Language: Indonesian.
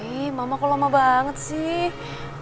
ih mama kok lama banget sih